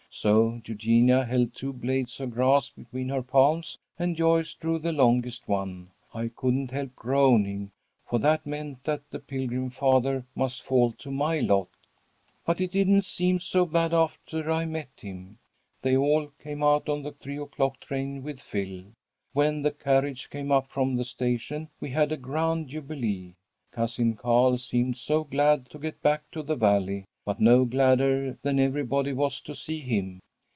So Eugenia held two blades of grass between her palms, and Joyce drew the longest one. I couldn't help groaning, for that meant that the Pilgrim Father must fall to my lot. "But it didn't seem so bad after I met him. They all came out on the three o'clock train with Phil. When the carriage came up from the station we had a grand jubilee. Cousin Carl seemed so glad to get back to the Valley, but no gladder than everybody was to see him.